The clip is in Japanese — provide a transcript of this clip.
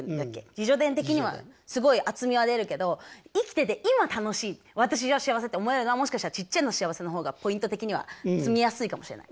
自叙伝的にはすごい厚みは出るけど生きてて今楽しい私は幸せって思えるのはもしかしてちっちゃな幸せの方がポイント的には積みやすいかもしれない。